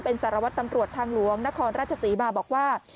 เป็นสารวัตรตำรวจทางหลวงนครราชศรีมาบอกว่า